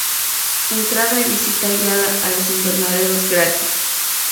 Entrada y visita guiada a los invernaderos gratis.